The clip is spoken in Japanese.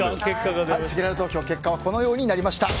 せきらら投票結果はこのようになりました。